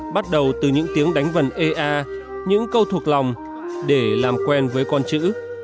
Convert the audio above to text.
bắt đầu từ những tiếng đánh vần e a những câu thuộc lòng để làm quen với con chữ